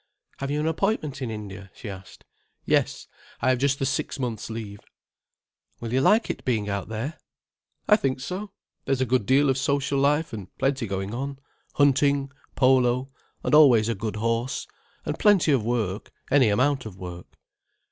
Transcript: "Have you an appointment in India?" she asked. "Yes—I have just the six months' leave." "Will you like being out there?" "I think so—there's a good deal of social life, and plenty going on—hunting, polo—and always a good horse—and plenty of work, any amount of work."